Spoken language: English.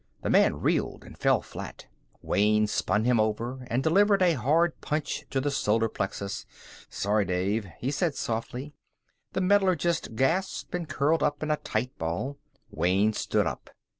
The man reeled and fell flat. Wayne spun him over and delivered a hard punch to the solar plexus. "Sorry, Dave," he said softly. The metallurgist gasped and curled up in a tight ball. Wayne stood up.